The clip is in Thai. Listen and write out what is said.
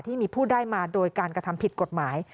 ที่มีผู้ได้มาโดยการกระทำผิดกฎหมาย